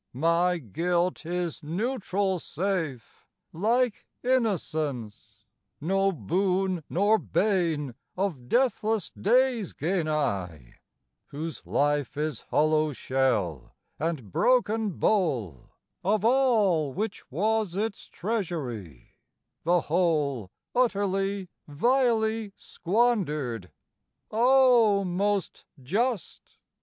My guilt is neutral safe, like innocence: No boon nor bane of deathless days gain I, 'Whose life is hollow shell and broken bowl, Of all which was its treasury, the whole Utterly, vilely squandered. O most Just!